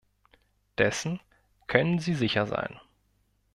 Dessen können sie sicher sein!